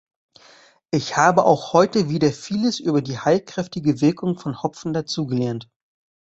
Ich habe auch heute wieder Vieles über die heilkräftige Wirkung von Hopfen dazugelernt.